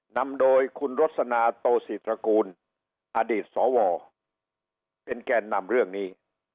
นำโดยคุณรสนาโตศิตระกูลอดีตสวเป็นแกนนำเรื่องนี้